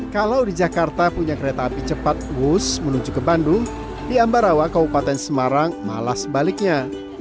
kalau di jakarta punya kereta api cepat wus menuju ke bandung di ambarawa kabupaten semarang malah sebaliknya